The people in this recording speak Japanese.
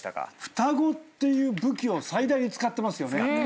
双子っていう武器を最大に使ってますよね。